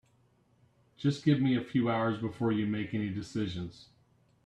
Just give me a few hours before you make any decisions.